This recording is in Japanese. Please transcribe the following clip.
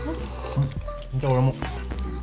じゃあ、俺も。